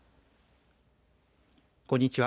こんにちは。